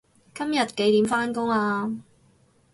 今日幾點返工啊